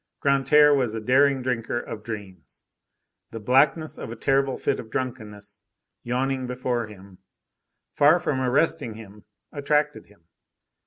Grantaire was a daring drinker of dreams. The blackness of a terrible fit of drunkenness yawning before him, far from arresting him, attracted him.